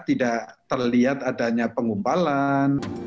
tidak terlihat adanya penggumpalan